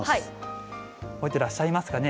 覚えてらっしゃいますかね。